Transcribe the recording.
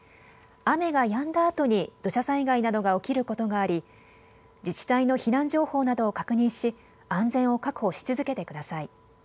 雨がやんだあとに土砂災害などが起きることがあり自治体の避難情報などを確認し安全を確保し続けてください。